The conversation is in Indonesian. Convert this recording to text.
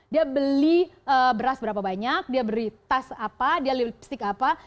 dia beli beras berapa banyak dia beli tas apa dia beli lipstick apa